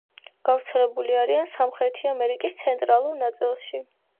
გავრცელებული არიან სამხრეთი ამერიკის ცენტრალურ ნაწილში.